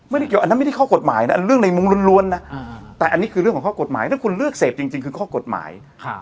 อันนี้คือเรื่องของข้อกฎหมายถ้าคุณเลือกเสพจริงคือข้อกฎหมาย